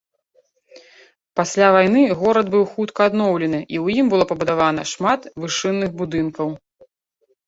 Пасля вайны горад быў хутка адноўлены, і ў ім было пабудавана шмат вышынных будынкаў.